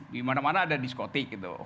di mana mana ada diskotik gitu